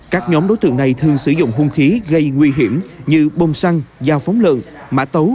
các nhóm đối tượng này thường sử dụng hung khí gây nguy hiểm như bông xăng dao phóng lợn mã tấu